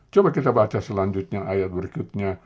coba kita baca selanjutnya ayat berikutnya